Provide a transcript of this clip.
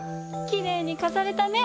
きれいにかざれたね！